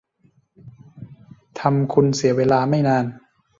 ทำคุณเสียเวลาไม่นาน